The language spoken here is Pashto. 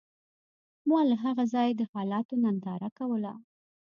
ما له هغه ځایه د حالاتو ننداره کوله